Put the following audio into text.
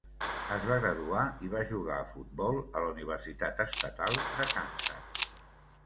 Es va graduar i va jugar a futbol a la Universitat Estatal de Kansas.